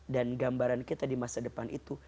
dan gambaran kita di masa depan itu